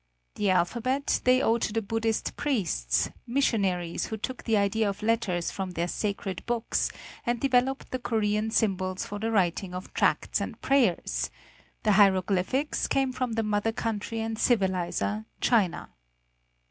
The alphabet they owe to the Buddhist priests, missionaries, who took the idea of letters from their sacred books, and developed the Korean symbols for the writing of tracts and prayers; the hieroglyphics came from the mother country and civilizer, China.